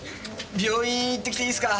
病院行ってきていいっすか？